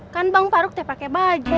kan bang faruk teh pake baju